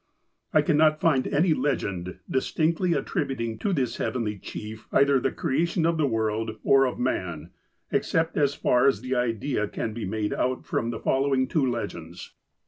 I cannot find any legend distinctly attributing to this Heavenly Chief either the creation of the world, or of man, except as far as the idea can be made out from the following two legends.